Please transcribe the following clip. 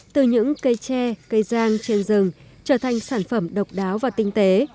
từ những cây tre cây giang trên rừng trở thành sản phẩm độc đáo và tinh tế